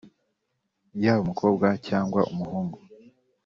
yaba umukobwa cyangwa umuhungu